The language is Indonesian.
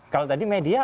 kalau tadi media